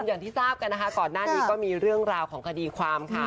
อย่างที่ทราบกันนะคะก่อนหน้านี้ก็มีเรื่องราวของคดีความค่ะ